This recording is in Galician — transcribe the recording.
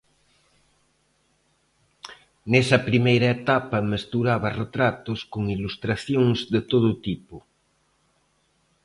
Nesa primeira etapa mesturaba retratos con ilustracións de todo tipo.